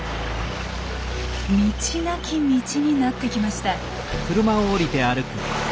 道なき道になってきました。